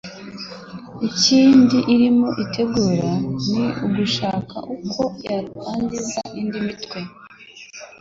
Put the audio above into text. Ikindi irimo itegura ni ugushaka uko yatangiza indi mitwe